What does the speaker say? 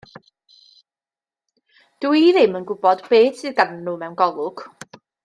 Dw i ddim yn gwybod beth sydd ganddyn nhw mewn golwg.